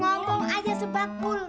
buruan aja sebab kulit